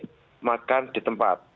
laksanakan di tempat